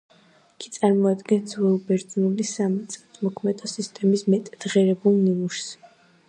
იგი წარმოადგენს ძველბერძნული სამიწათმოქმედო სისტემის მეტად ღირებულ ნიმუშს.